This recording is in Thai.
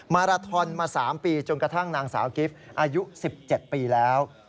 มาราทอนมา๓ปีจนกระทั่งนางสาวกิฟต์อายุ๑๗ปีแล้ว